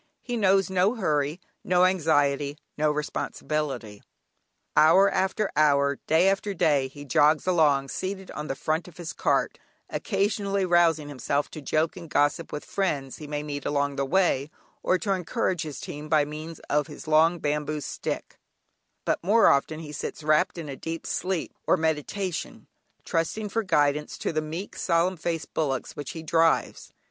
He knows no hurry, no anxiety, no responsibility. Hour after hour, day after day he jogs along, seated on the front of his cart, occasionally rousing himself to joke and gossip with friends he may meet on the way, or to encourage his team by means of his long bamboo stick, but more often he sits wrapped in a deep sleep, or meditation, trusting for guidance to the meek solemn faced bullocks which he drives.